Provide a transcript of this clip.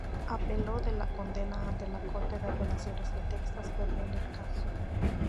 Apeló de la condena ante la Corte de Apelaciones de Texas, perdiendo el caso.